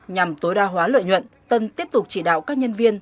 nhằm tối đa hóa lợi nhuận tân tiếp tục chỉ đạo các nhân viên